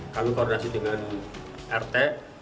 kami koordinasi dengan rt